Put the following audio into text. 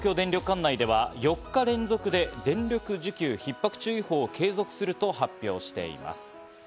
管内では４日連続で電力需給ひっ迫注意報を継続すると発表しています。